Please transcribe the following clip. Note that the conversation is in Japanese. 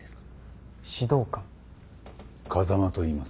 風間といいます。